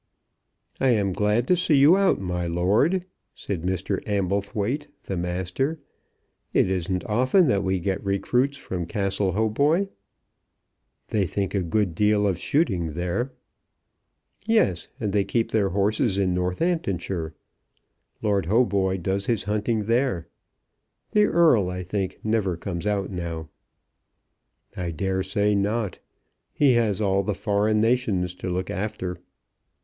"I am glad to see you out, my lord," said Mr. Amblethwaite, the Master. "It isn't often that we get recruits from Castle Hautboy." "They think a good deal of shooting there." "Yes; and they keep their horses in Northamptonshire. Lord Hautboy does his hunting there. The Earl, I think, never comes out now." "I dare say not. He has all the foreign nations to look after."